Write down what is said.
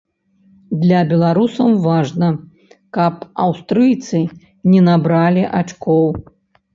Для беларусаў важна, каб аўстрыйцы не набралі ачкоў.